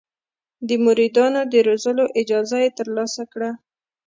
د مریدانو د روزلو اجازه یې ترلاسه کړه.